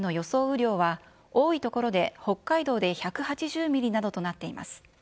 雨量は、多い所で、北海道で１８０ミリなどとなっています。